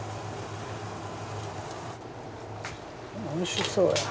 おいしそうだ。